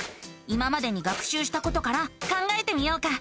今までに学しゅうしたことから考えてみようか。